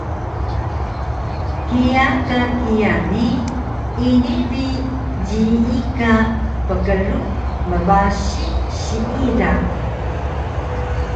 Kiya ka kiya ni ini bi jiyi ka pklug mbasi siida